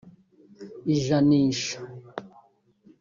Ijanisha